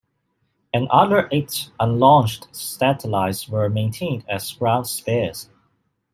Another eight unlaunched satellites were maintained as ground spares.